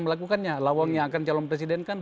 melakukannya lawangnya akan calon presiden kan